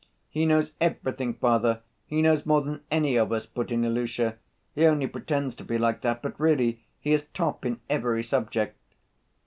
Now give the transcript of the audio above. "He knows everything, father, he knows more than any of us!" put in Ilusha; "he only pretends to be like that, but really he is top in every subject...."